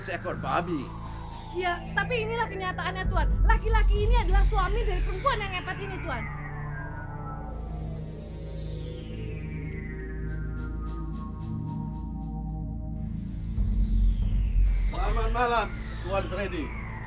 selamat malam tuan freddy